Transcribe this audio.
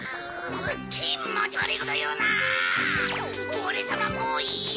おれさまもうイヤ！